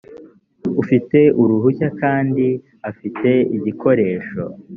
ufite uruhushya kandi afite igikoresho